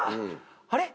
あれ？